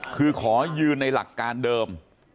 คือขอยืนในหลักการเดิม